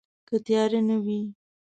که تیاره نه وي